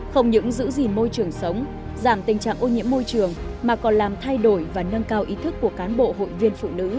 không những giữ gìn môi trường sống giảm tình trạng ô nhiễm môi trường mà còn làm thay đổi và nâng cao ý thức của cán bộ hội viên phụ nữ